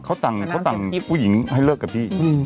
เขาต่างผู้หญิงให้เลิกกับพี่